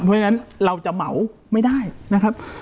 เพราะฉะนั้นเราจะเหมาไม่ได้นะครับ